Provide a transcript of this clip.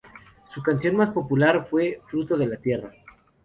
Sus canción más popular fue "Fruto de la Tierra".